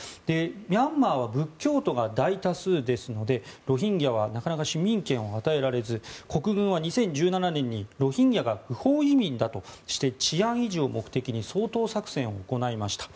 ミャンマーは仏教徒が大多数ですのでロヒンギャはなかなか市民権を与えられず国軍は２０１７年にロヒンギャが不法移民だとして治安維持を目的に掃討作戦を行いました。